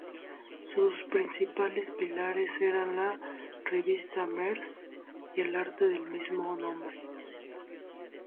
Sus principales pilares eran la revista "Merz" y el arte del mismo nombre.